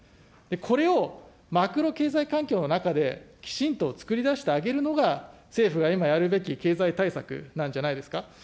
これをマクロ経済環境の中できちんとつくり出してあげるのが政府が今やるべき経済対策なんじゃないですか。